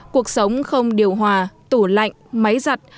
cuộc sống không điều hòa tủ lạnh máy giặt